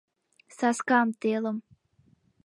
— Саскам телым...